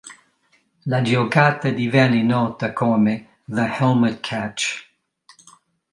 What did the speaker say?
La giocata divenne nota come "The Helmet Catch".